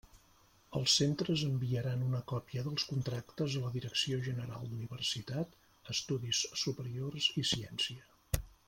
Els centres enviaran una còpia dels contractes a la Direcció General d'Universitat, Estudis Superiors i Ciència.